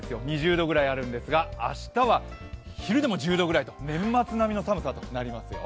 ２０度ぐらいあるんですが明日は昼でも１０度ぐらいと年末ぐらいの寒さとなりますよ。